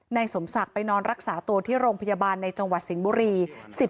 นายสมศักดิ์ไปนอนรักษาตัวที่โรงพยาบาลในจังหวัดสิงห์บุรี